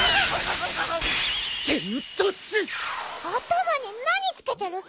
頭に何つけてるさ？